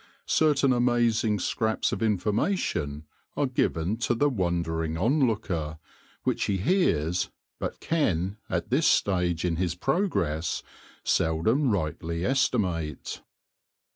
Certain amaz ing scraps of information are given to the wondering on looker, which he hears, but can, at this ststge in his progress, seldom rightly estimate.